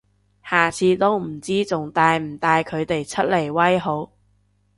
下次都唔知仲帶唔帶佢哋出嚟威好